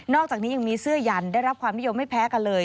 อกจากนี้ยังมีเสื้อยันได้รับความนิยมไม่แพ้กันเลย